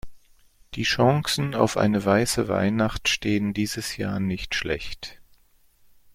Die Chancen auf eine weiße Weihnacht stehen dieses Jahr nicht schlecht.